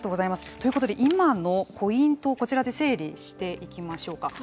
ということで今のポイントをこちらで整理していきましょうか。